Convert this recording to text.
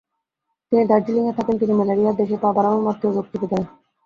যিনি দার্জিলিঙে থাকেন তিনি ম্যালেরিয়ার দেশে পা বাড়াবামাত্রই রোগে চেপে ধরে।